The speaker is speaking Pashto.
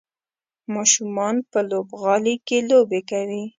ماشومان په لوبغالي کې لوبې کوي.